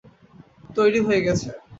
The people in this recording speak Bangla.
তৈরি হয়ে গেছে।